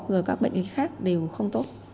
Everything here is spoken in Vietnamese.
rồi các bệnh khác đều không tốt